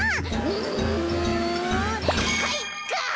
うんかいか！